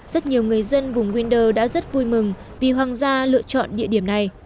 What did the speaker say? rất nhiều người dân vùng winder đã rất vui mừng vì hoàng gia lựa chọn địa điểm này